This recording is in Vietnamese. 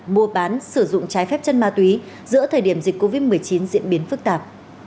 mua bán sử dụng trái phép chân ma túy giữa thời điểm dịch covid một mươi chín diễn biến phức tạp